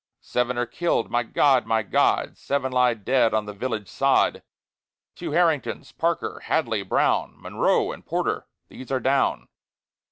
Seven are killed. My God! my God! Seven lie dead on the village sod. Two Harringtons, Parker, Hadley, Brown, Monroe and Porter, these are down.